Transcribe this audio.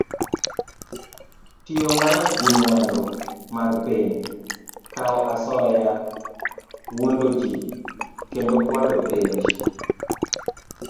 Tiyo marach gi mwandu mag piny, kawo asoya, wuondo ji, kendo kwalo penj